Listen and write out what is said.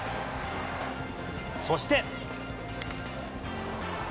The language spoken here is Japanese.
そして。